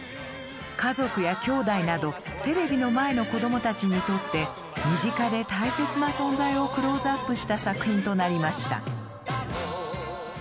家族や兄弟などテレビの前の子供たちにとって身近で大切な存在をクローズアップした作品となりました。